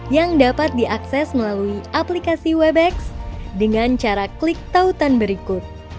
yang dapat diakses melalui aplikasi webex dengan cara klik tautan berikut